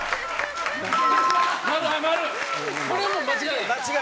これも間違いない？